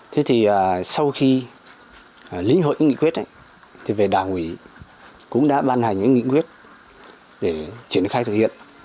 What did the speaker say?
thế thì sau khi lĩnh hội nghị quyết thì về đảng ủy cũng đã ban hành những nghị quyết để triển khai thực hiện